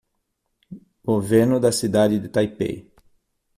Governo da cidade de Taipei